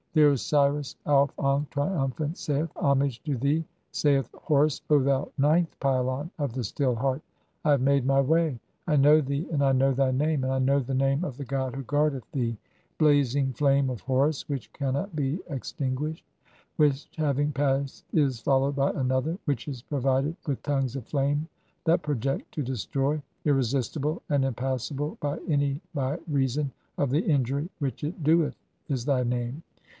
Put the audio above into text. IX. (33) The Osiris Auf ankh, triumphant, saith :— "Homage to thee, saith Horus, O thou ninth pylon of the "Still Heart. I have made [my] way. I know thee, and I know "thy name, and I know the name of the god who guardeth (34) 248 THE CHAPTERS OF COMING FORTH BY DAY. "thee. 'Blazing flame of Horus which cannot be extinguished ; "which having passed is followed by another; which is provided "with tongues of flame that project to destroy ; irresistible and "impassable [by any] by reason of the injury which it doeth', "is thy name.